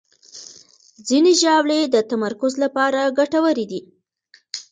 ځینې ژاولې د تمرکز لپاره ګټورې دي.